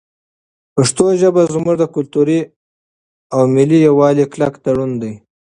پښتو ژبه زموږ د کلتوري او ملي یووالي کلک تړون دی.